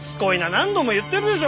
何度も言ってるでしょ。